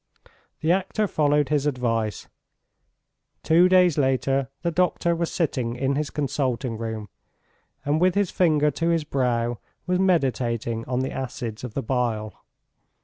The actor followed his advice. ... Two days later the doctor was sitting in his consulting room, and with his finger to his brow was meditating on the acids of the bile.